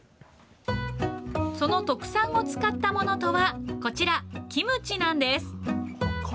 その特産を使ったものとは、こちら、キムチなんです。